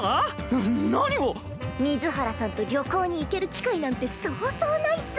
⁉な何を水原さんと旅行に行ける機そうそうないっス。